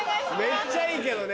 めっちゃいいけどね。